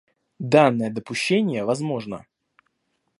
Данное допущение возможно.